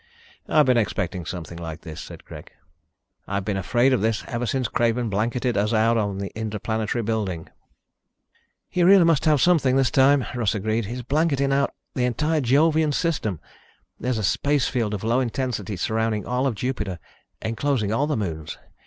"I've been expecting something like this," said Greg. "I have been afraid of this ever since Craven blanketed us out of the Interplanetary building." "He really must have something this time," Russ agreed. "He's blanketing out the entire Jovian system. There's a space field of low intensity surrounding all of Jupiter, enclosing all the moons.